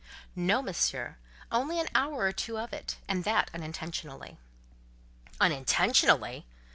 "No, Monsieur, only an hour or two of it, and that unintentionally." "Unintentionally!